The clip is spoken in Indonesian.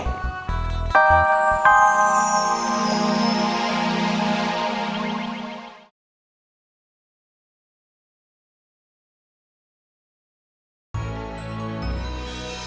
hampir aja kecemplung